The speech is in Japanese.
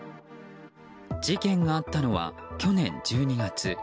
事件があったのは去年１２月。